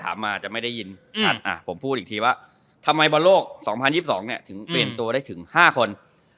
มาจะไม่ได้ยินชัดผมพูดอีกทีว่าทำไมบอลโลก๒๐๒๒ถึงเปลี่ยนตัวได้ถึง๕คน